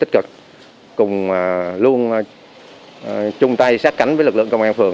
tích cực cùng luôn chung tay sát cánh với lực lượng công an phường